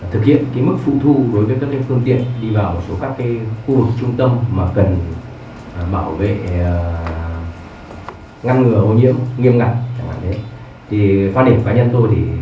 thực hiện mức phụ thu đối với các phương tiện đi vào các khu vực trung tâm mà cần bảo vệ ngăn ngừa hồ nhiễm nghiêm ngặt